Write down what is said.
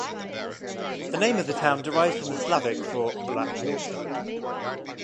The name of the town derives from the Slavic for "black water".